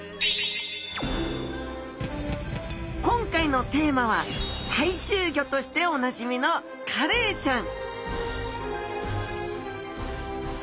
今回のテーマは大衆魚としておなじみのカレイちゃん！